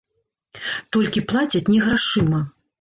Толькі плацяць не грашыма.